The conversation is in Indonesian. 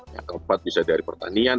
yang keempat bisa dari pertanian